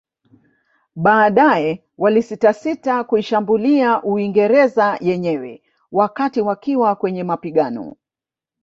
Baadae walisitasita kuishambulia Uingereza yenyewe wakati wakiwa kwenye mapigano